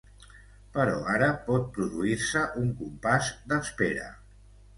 però ara pot produir-se un compàs d'espera